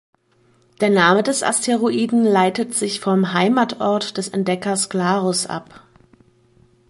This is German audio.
Der Name des Asteroiden leitet sich vom Heimatort des Entdeckers Glarus ab.